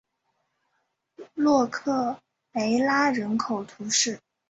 洛克梅拉人口变化图示